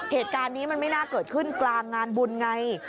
เหตุการณ์นี้มันไม่น่าเกิดขึ้นกลางงานบุญไง